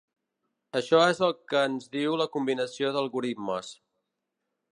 Això és el que ens diu la combinació d'algoritmes.